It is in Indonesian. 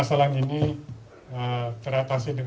kalau saya belalain